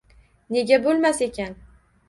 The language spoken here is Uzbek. Nega bo`lmas ekan